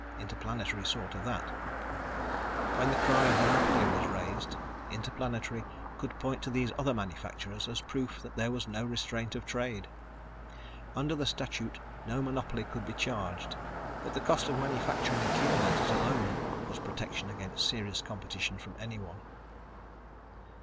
Interplanetary saw to that. When the cry of monopoly was raised, Interplanetary could point to these other manufacturers as proof that there was no restraint of trade. Under the statute no monopoly could be charged, but the cost of manufacturing accumulators alone was protection against serious competition from anyone.